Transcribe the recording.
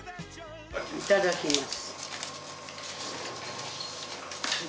いただきます。